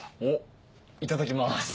おっいただきます。